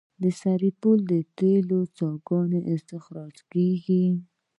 د سرپل د تیلو څاګانې استخراج کیږي